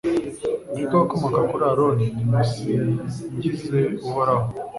mwebwe abakomoka kuri Aroni nimusingize Uhoraho